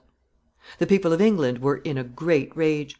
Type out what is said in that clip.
] The people of England were in a great rage.